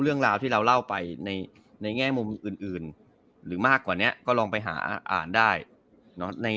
เรื่องราวที่เราเล่าไปในแง่มุมอื่นหรือมากกว่านี้ก็ลองไปหาอ่านได้